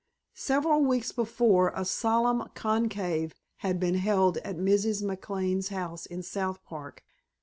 Several weeks before a solemn conclave had been held at Mrs. McLane's house in South Park.